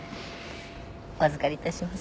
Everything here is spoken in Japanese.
お預かりいたします。